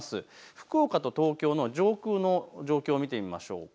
福岡と東京の上空の状況を見てみましょうか。